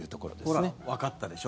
ほら、わかったでしょ？